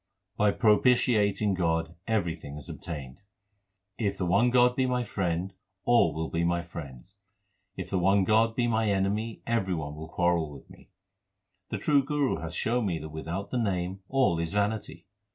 By propitiating God everything is obtained : If the one God be my friend, all will be my friends ; if the one God be my enemy every one will quarrel with me. The true Guru hath shown me that without the Name all is vanity.